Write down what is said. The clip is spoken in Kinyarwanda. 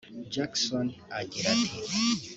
Jackson agira ati